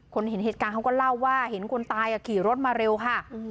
เห็นเหตุการณ์เขาก็เล่าว่าเห็นคนตายขี่รถมาเร็วค่ะ